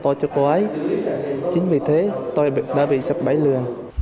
tôi gửi hình ảnh nhà cỏ của cô ấy cho cô ấy chính vì thế tôi đã bị sắp bãi lừa